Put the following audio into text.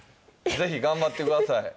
ぜひ頑張ってください